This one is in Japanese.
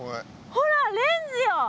ほらレンズよ！